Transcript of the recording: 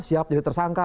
siap jadi tersangka